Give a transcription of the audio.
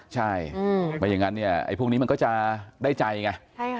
ใช่ไม่อย่างนั้นเนี่ยไอ้พวกนี้มันก็จะได้ใจไง